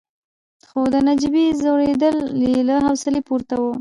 خو د نجيبې ځورېدل يې له حوصلې پورته وو.